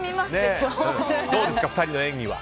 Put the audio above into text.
どうですか、２人の演技は。